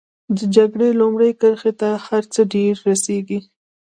د جګړې لومړۍ کرښې ته هر څه ډېر رسېږي.